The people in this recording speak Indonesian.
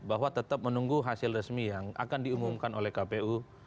bahwa tetap menunggu hasil resmi yang akan diumumkan oleh kpu